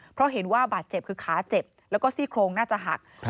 เพราะเห็นว่าบาดเจ็บคือขาเจ็บแล้วก็ซี่โครงน่าจะหัก